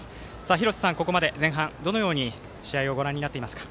廣瀬さん、ここまで前半どのように試合をご覧になっていますか。